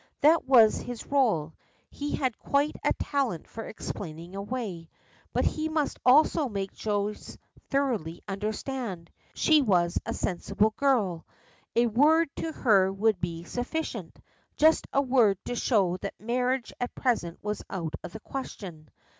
That was his role. He had quite a talent for explaining away. But he must also make Joyce thoroughly understand. She was a sensible girl. A word to her would be sufficient. Just a word to show that marriage at present was out of the question.